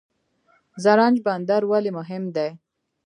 زرنج بندر ولې مهم دی؟